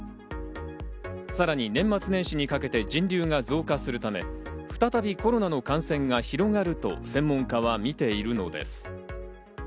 さらに年末年始にかけて人流が増加するため、再びコロナの感染が広がると専門家はみているのです。